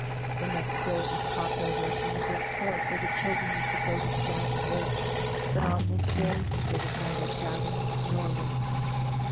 The next day it was talked over in the brick court, where the children used to go to shout and race. But on this day there was neither shouting nor racing.